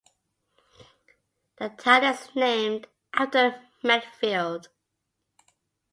The town is named after Metfield.